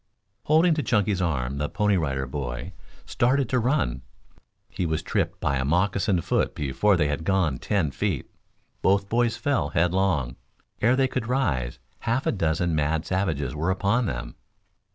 Holding to Chunky's arm the Pony Rider Boy started to run. He was tripped by a moccasined foot before they had gone ten feet. Both boys fell headlong. Ere they could rise half a dozen mad savages were upon them.